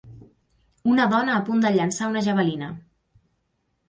Una dona a punt de llençar una javelina